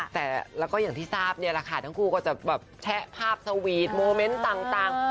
แต่แล้วก็อย่างที่ทราบเนี่ยแหละค่ะทั้งคู่ก็จะแบบแชะภาพสวีทโมเมนต์ต่าง